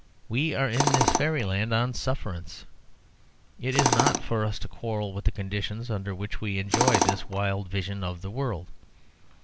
We are in this fairyland on sufferance; it is not for us to quarrel with the conditions under which we enjoy this wild vision of the world.